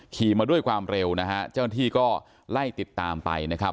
ขี่มาด้วยความเร็วนะฮะเจ้าหน้าที่ก็ไล่ติดตามไปนะครับ